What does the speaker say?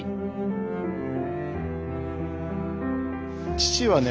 父はね